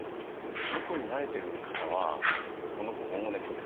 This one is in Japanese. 猫になれてる方は「この子保護猫です。